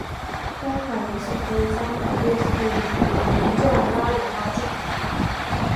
该款游戏可以三百六十度旋转拉远拉近。